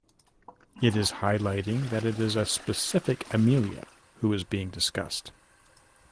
It is highlighting that it is a specific Amelia who is being discussed.